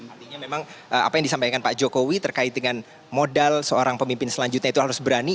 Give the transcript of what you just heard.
artinya memang apa yang disampaikan pak jokowi terkait dengan modal seorang pemimpin selanjutnya itu harus berani